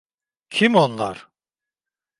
Kim onlar?